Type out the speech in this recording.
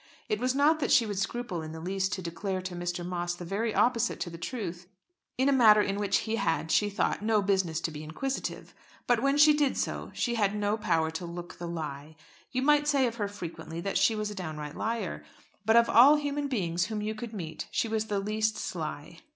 It was not that she would scruple in the least to declare to Mr. Moss the very opposite to the truth in a matter in which he had, she thought, no business to be inquisitive; but when she did so she had no power to look the lie. You might say of her frequently that she was a downright liar. But of all human beings whom you could meet she was the least sly.